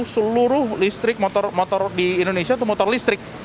seluruh listrik motor motor di indonesia itu motor listrik